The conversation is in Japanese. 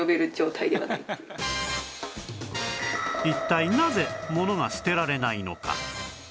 一体なぜものが捨てられないのか？